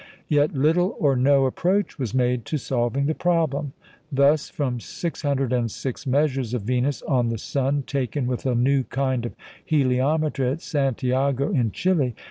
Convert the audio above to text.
Yet little or no approach was made to solving the problem. Thus, from 606 measures of Venus on the sun, taken with a new kind of heliometer at Santiago in Chili, M.